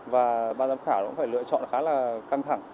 và ban giám khảo cũng phải lựa chọn khá là căng thẳng